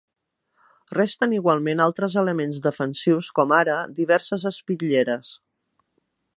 Resten igualment altres elements defensius, com ara, diverses espitlleres.